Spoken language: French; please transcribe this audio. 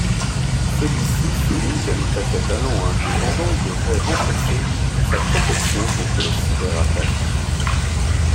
Celui-ci souligne qu'un État catalan indépendant devrait renforcer sa protection contre les cyberattaques.